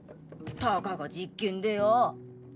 たかが実験でよォ！